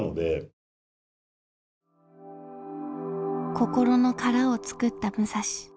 心の殻を作った武蔵。